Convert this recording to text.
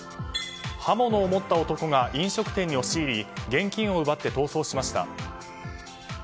刃物を持った男が飲食店に押し入り現金を奪って逃走しました。